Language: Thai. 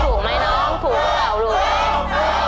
ถูกไหมน้องถูกหรือเปล่าลูก